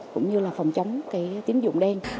cũng như là phòng chống tín dụng đen